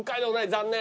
残念。